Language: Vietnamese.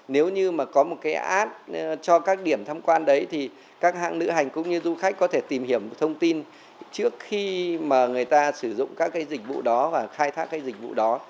nếu như mà có một cái ad cho các điểm thăm quan đấy thì các hãng lữ hành cũng như du khách có thể tìm hiểu thông tin trước khi mà người ta sử dụng các cái dịch vụ đó và khai thác cái dịch vụ đó